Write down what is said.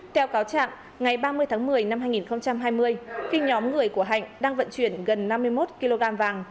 theo cáo trạng ngày ba mươi tháng một mươi năm hai nghìn hai mươi khi nhóm người của hạnh đang vận chuyển gần năm mươi một kg vàng